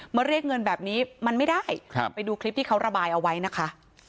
เรียกเงินแบบนี้มันไม่ได้ไปดูคลิปที่เขาระบายเอาไว้นะคะ